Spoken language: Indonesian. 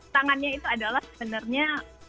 tangannya itu adalah sebenarnya